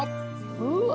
うわ！